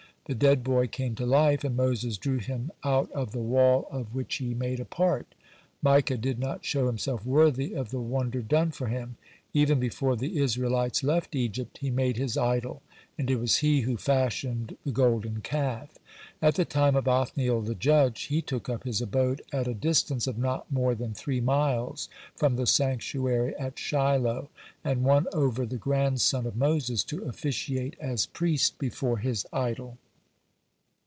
The dead boy came to life, and Moses drew him out of the wall of which he made a part. (126) Micah did not show himself worthy of the wonder done for him. Even before the Israelites left Egypt, he made his idol, (127) and it was he who fashioned the golden calf. At the time of Othniel the judge, (128) he took up his abode at a distance of not more than three miles from the sanctuary at Shiloh, (129) and won over the grandson of Moses (130) to officiate as priest before his idol.